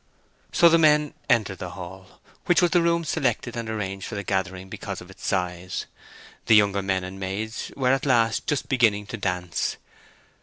So the men entered the hall, which was the room selected and arranged for the gathering because of its size. The younger men and maids were at last just beginning to dance.